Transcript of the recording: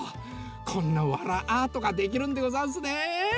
こんなわらアートができるんでござんすね！